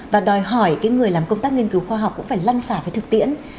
và đòi hỏi cái người làm công tác nghiên cứu khoa học cũng phải lăn xả phải thực tiễn